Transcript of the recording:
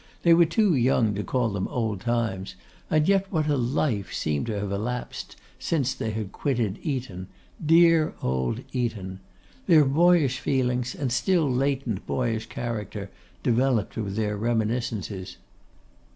They were too young to call them old times; and yet what a life seemed to have elapsed since they had quitted Eton, dear old Eton! Their boyish feelings, and still latent boyish character, developed with their reminiscences.